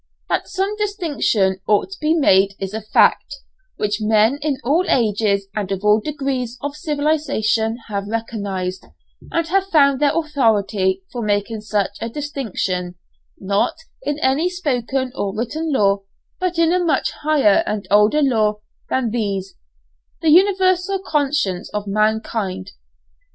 That some distinction ought to be made is a fact which men in all ages and of all degrees of civilization have recognized, and have found their authority for making such a distinction, not in any spoken or written law, but in a much higher and older law than these, the universal conscience of mankind.